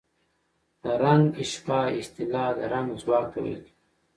د رنګ اشباع اصطلاح د رنګ ځواک ته ویل کېږي.